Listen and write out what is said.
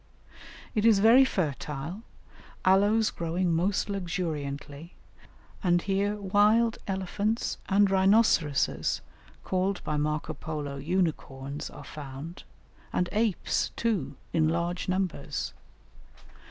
It is very fertile, aloes growing most luxuriantly; and here wild elephants and rhinoceroses (called by Marco Polo unicorns) are found, and apes, too, in large numbers.